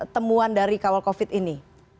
temuan dari kawal covid ini